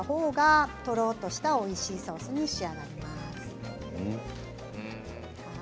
とろっとしたおいしいソースに仕上がります。